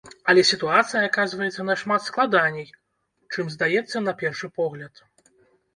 Але сітуацыя аказваецца нашмат складаней, чым здаецца на першы погляд.